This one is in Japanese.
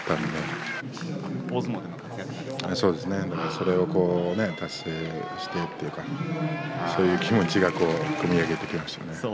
それを達成したという気持ちが込み上げてきましたね。